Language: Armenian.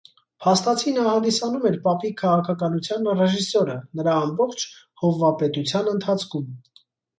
Փաստացի նա հանդիսանում էր պապի քաղաքականության ռեժիսյորը՝ նրա ամբողջ հովվապետության ընթացքում։